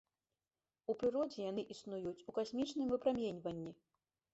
У прыродзе яны існуюць у касмічным выпраменьванні.